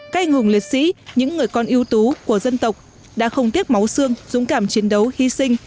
các anh hùng liệt sĩ những người con yêu tú của dân tộc đã không tiếc máu xương dũng cảm chiến đấu hy sinh